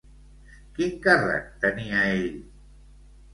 Quin càrrec tenia ell?